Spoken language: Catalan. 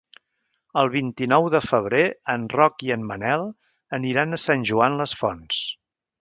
El vint-i-nou de febrer en Roc i en Manel aniran a Sant Joan les Fonts.